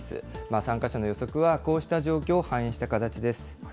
参加者の予測は、こうした状況を反映した形です。